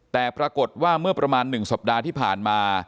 แต่ปรากฏว่าเมื่อประมาณ๑สัปดาห์ที่ผ่านมา